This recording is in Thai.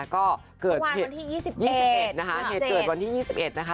ก็เกิดวันที่๒๒๑นะคะเหตุเกิดวันที่๒๑นะคะ